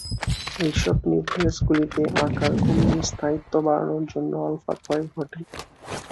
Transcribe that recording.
এই সব নিউক্লিয়াস গুলিতে আকার কমিয়ে স্থায়িত্ব বাড়ানোর জন্য আলফা ক্ষয় ঘটে।